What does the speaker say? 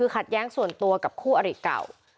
ขัดแย้งส่วนตัวกับคู่อริเก่า